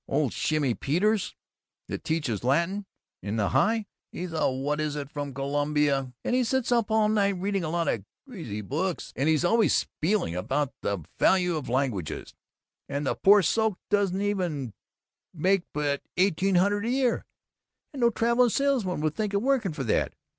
Old Shimmy Peters, that teaches Latin in the High, he's a what is it from Columbia and he sits up all night reading a lot of greasy books and he's always spieling about the 'value of languages,' and the poor soak doesn't make but eighteen hundred a year, and no traveling salesman would think of working for that.